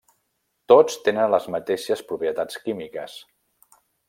Tots tenen les mateixes propietats químiques.